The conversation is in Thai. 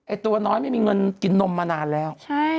ตัวน้อยไม่มีเงินกินนมมานานแล้ว